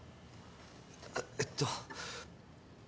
えっと。